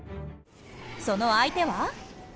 その相手は？